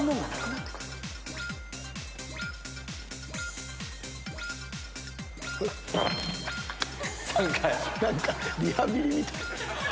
何かリハビリみたい。